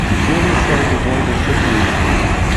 Hear me say, devoid of trickery: